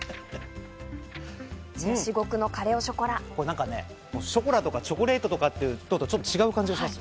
これ、ショコラとか、チョコレートというのは違う感じがします。